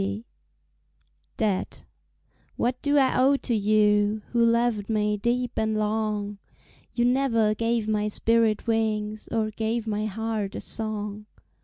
Debt What do I owe to you Who loved me deep and long? You never gave my spirit wings Or gave my heart a song.